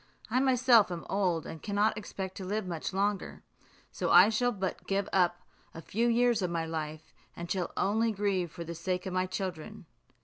I myself am old, and cannot expect to live much longer; so I shall but give up a few years of my life, and shall only grieve for the sake of my children."